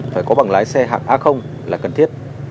phải có bằng lái xe hạng a là cần thiết